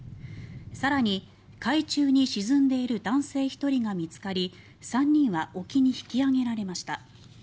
さらに、海中に沈んでいる男性１人が見つかり３人は沖に引き上げられました。